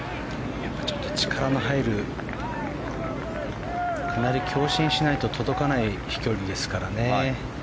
ちょっと力の入るかなり強振しないと届かない飛距離ですからね。